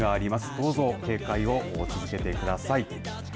どうぞ、警戒を続けてください。